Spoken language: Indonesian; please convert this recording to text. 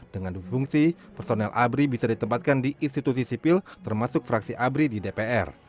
dengan dufungsi personel abri bisa ditempatkan di institusi sipil termasuk fraksi abri di dpr